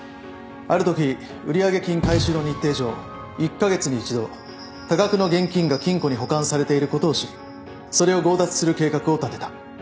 あるとき売上金回収の日程上１カ月に１度多額の現金が金庫に保管されていることを知りそれを強奪する計画を立てた。